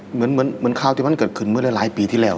เหมือนข่าวที่มันเกิดขึ้นเมื่อหลายปีที่แล้ว